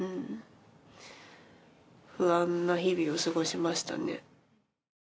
不安な日々を過ごしましたね。